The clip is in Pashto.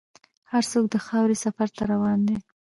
هر څوک د خاورې سفر ته روان دی.